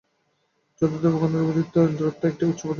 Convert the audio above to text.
যথা দেবগণের অধিপতিত্ব বা ইন্দ্রত্ব একটি উচ্চপদের নাম।